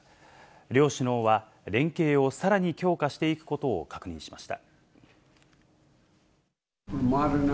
両首脳は、連携をさらに強化していくことを確認しました。